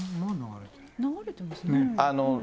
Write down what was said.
流れてますね。